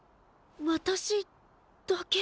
私だけ？